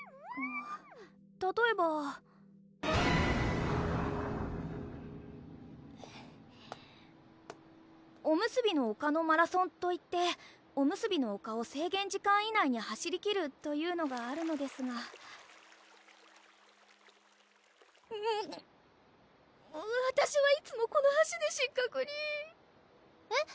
たとえばおむすびの丘のマラソンといっておむすびの丘を制限時間以内に走りきるというのがあるのですがわたしはいつもこの橋で失格にえっ？